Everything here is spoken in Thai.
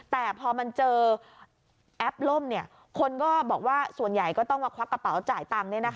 แต่พอมันเจอแอปล่มคนก็บอกว่าส่วนใหญ่ก็ต้องมาควักกระเป๋าจ่ายตังค์